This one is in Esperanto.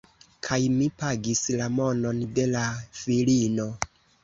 Kaj mi pagis la monon de la filino